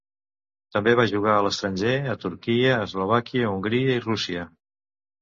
També va jugar a l'estranger, a Turquia, Eslovàquia, Hongria i Rússia.